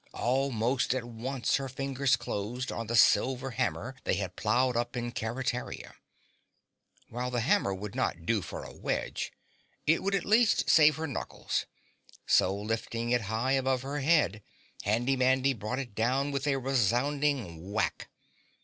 Almost at once her fingers closed on the silver hammer they had ploughed up in Keretaria. While the hammer would not do for a wedge, it would at least save her knuckles, so, lifting it high above her head, Handy Mandy brought it down with a resounding whack.